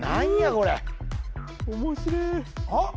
これ面白えあっ！